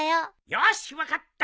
よし分かった。